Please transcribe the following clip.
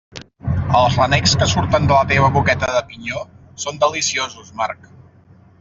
Els renecs que surten de la teva boqueta de pinyó són deliciosos, Marc.